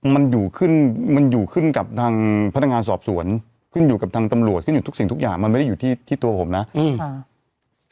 มันอยู่ขึ้นมันอยู่ขึ้นกับทางพนักงานสอบสวนขึ้นอยู่กับทางตำรวจขึ้นอยู่ทุกสิ่งทุกอย่างมันไม่ได้อยู่ที่ที่ตัวผมนะอืมค่ะ